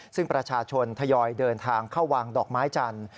ซึ่งประชาชนทยอยเดินทางเข้าวางดอกไม้จันทร์